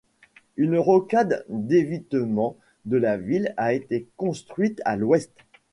Une rocade d’évitement de la ville a été construite à l'ouest.